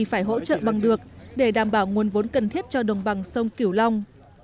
phải hỗ trợ bằng được để đảm bảo nguồn vốn cần thiết cho đồng bằng sông kiểu long